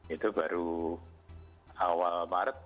itu baru awal maret